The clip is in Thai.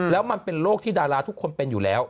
แล้วมันเป็นโรคที่ดาราทุกคนเป็นอยู่แล้ว